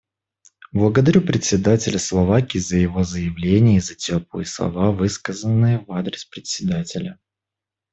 Благодарю представителя Словакии за его заявление и за теплые слова, высказанные в адрес Председателя.